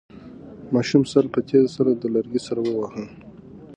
د ماشوم سر په تېزۍ سره له لرګي سره وواهه.